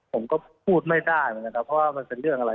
ผมก็พูดไม่ได้นะครับว่ามันเป็นเรื่องอะไร